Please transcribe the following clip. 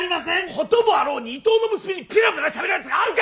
事もあろうに伊東の娘にペラペラしゃべるやつがあるか！